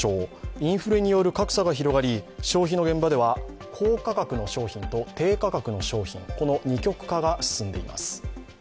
インフレによる格差が広がり、消費の現場では高価格の商品と低価格の商品この二極化が進んでいます。